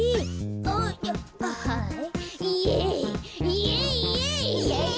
イエイイエイイエイ！